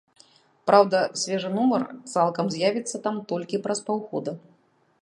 Праўда, свежы нумар цалкам з'явіцца там толькі праз паўгода.